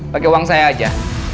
pake uang saya aja